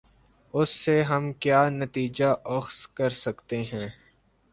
اس سے ہم کیا نتیجہ اخذ کر سکتے ہیں۔